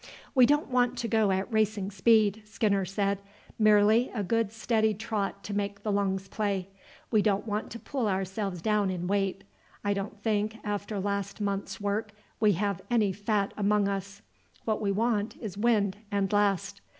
"We don't want to go at racing speed," Skinner said; "merely a good steady trot to make the lungs play. We don't want to pull ourselves down in weight. I don't think, after the last month's work, we have any fat among us. What we want is wind and last.